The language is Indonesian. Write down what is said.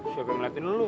siapa yang ngeliatin lu